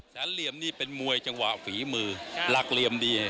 เหลี่ยมนี่เป็นมวยจังหวะฝีมือหลักเหลี่ยมดี